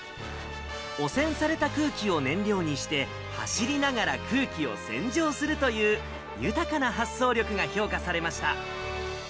汚染された空気を燃料にして、走りながら空気を洗浄するという、豊かな発想力が評価されました。